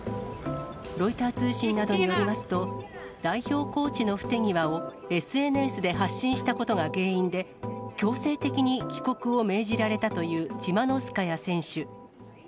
ロイター通信などによりますと、代表コーチの不手際をＳＮＳで発信したことが原因で、強制的に帰国を命じられたというチマノウスカヤ選手。